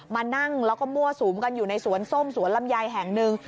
มานั่งแล้วก็มั่วสุมกันอยู่ในสวนส้มสวนลำไยแห่งหนึ่ง